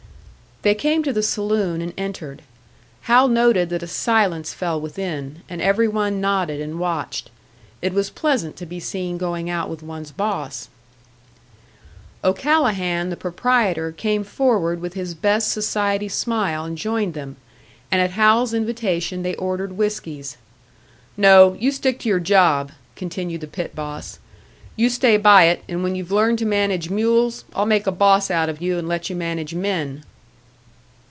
They came to the saloon and entered. Hal noted that a silence fell within, and every one nodded and watched. It was pleasant to be seen going out with one's boss. O'Callahan, the proprietor, came forward with his best society smile and joined them, and at Hal's invitation they ordered whiskies. "No, you stick to your job," continued the pit boss. "You stay by it, and when you've learned to manage mules, I'll make a boss out of you, and let you manage men."